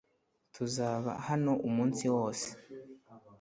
Tuzaba hano umunsi wose .